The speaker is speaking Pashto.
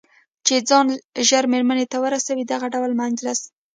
چې ځان ژر مېرمنې ته ورسوي، دغه ډول مجلس.